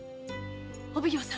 お奉行様。